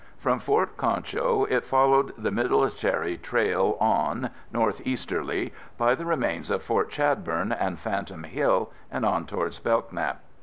From Fort Concho it followed the military trail on northeasterly by the remains of Fort Chadbourne and Phantom Hill and on towards Belknap.